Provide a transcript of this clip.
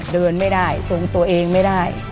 เดินไม่ได้ทรงตัวเองไม่ได้